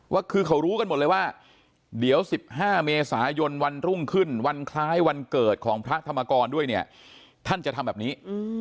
ว่าคือเขารู้กันหมดเลยว่าเดี๋ยว๑๕เมษายนวันรุ่งขึ้นวันคล้ายวันเกิดของพระธรรมกรด้วยเนี่ยท่านจะทำแบบนี้